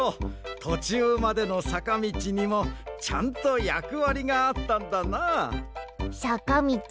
とちゅうまでのさかみちにもちゃんとやくわりがあったんだな。